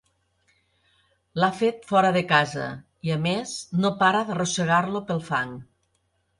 L'ha fet fora de casa i, a més, no para d'arrossegar-lo pel fang.